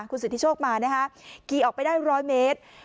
คุณสิทธิโชคมานะคะขี่ออกไปได้ร้อยเมตร